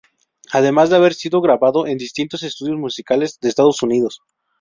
Además de haber sido grabado en distintos estudios musicales de Estados Unidos.